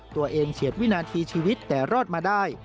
เฉียดวินาทีชีวิตแต่รอดมาได้